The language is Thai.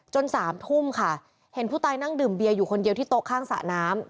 สามทุ่มค่ะเห็นผู้ตายนั่งดื่มเบียร์อยู่คนเดียวที่โต๊ะข้างสระน้ำ